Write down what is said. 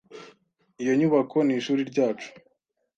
Iyo nyubako nishuri ryacu.